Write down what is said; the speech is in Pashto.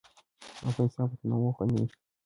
افغانستان په تنوع غني دی.